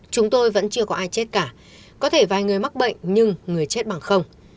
chúng tôi vẫn chưa có ai chết cả có thể vài người mắc bệnh nhưng người chết bằng không